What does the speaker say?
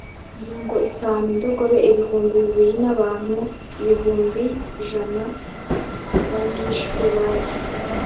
mirongo itanu indogobe ibihumbi bibiri n abantu ibihumbi ijana b Abishwe bari